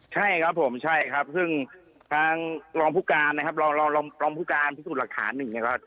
ใช่ครับผมใช่ครับซึ่งทางลองภูการนะครับลองภูการพิสูจน์หลักฐานหนึ่ง